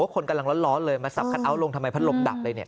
คนกำลังร้อนเลยมาสับคัทเอาท์ลงทำไมพัดลมดับเลยเนี่ย